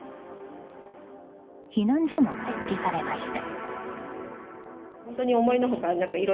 避難所も設置されました。